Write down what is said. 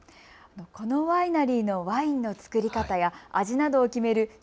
このワイナリーのワインの造り方や味などを決める